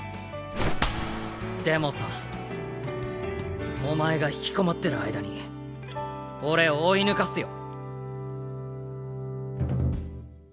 でもさお前が引きこもってる間に俺追い抜かすよ。